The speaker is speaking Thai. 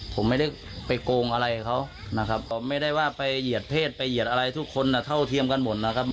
ผมไม่ได้ไปโกงอะไรเขานะครับผมไม่ได้ว่าไปเหยียดเพศไปเหยียดอะไรทุกคนเท่าเทียมกันหมดนะครับ